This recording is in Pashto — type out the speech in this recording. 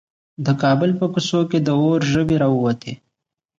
د کابل په کوڅو کې د اور ژبې راووتې.